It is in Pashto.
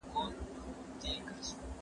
نن د خپلو اوښکو له ګودر څخه بېرېږمه